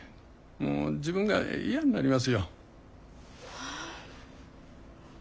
もう自分が嫌になりますよ。